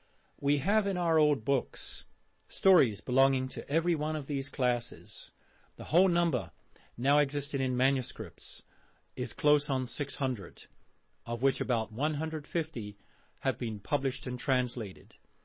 We have in our old books stories belonging to every one of these classes. The whole number now existing in manuscripts is close on 600: of which about 150 have been published and translated.